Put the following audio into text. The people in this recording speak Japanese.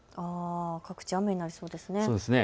各地、雨になりそうですね。